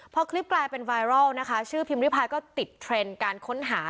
พอคลิปกลายเป็นไวรัลนะคะชื่อพิมพิพายก็ติดเทรนด์การค้นหา